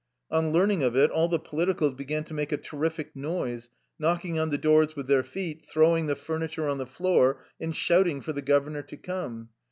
On learning of it, all the politicals began to make a terrific noise, knocking on the doors with their feet, throwing the furniture on the floor, and shotting for the governor to come.